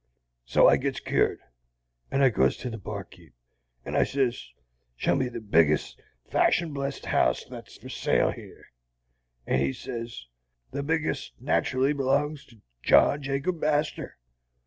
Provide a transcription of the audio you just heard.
"So I gets cured. I goes to the barkeep', and I sez, 'Show me the biggest, fashionblest house thet's for sale yer.' And he sez, 'The biggest, nat'rally b'longs to John Jacob Astor.'